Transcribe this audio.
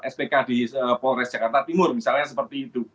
spk di polres jakarta timur misalnya seperti itu